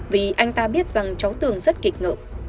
vì anh ta biết rằng cháu tường rất kịch ngự